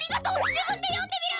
自分で読んでみる！